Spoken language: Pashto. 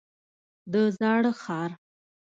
د زاړه ښار.